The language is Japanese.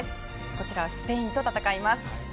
こちらはスペインと戦います。